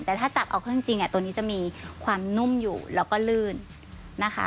แต่ถ้าจับเอาเครื่องจริงตัวนี้จะมีความนุ่มอยู่แล้วก็ลื่นนะคะ